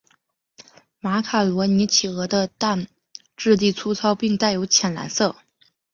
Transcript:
马卡罗尼企鹅的蛋质地粗糙并带有浅蓝色。